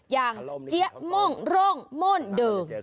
อย่างเจี๊ยะโม่งโร่งโม่นเดิง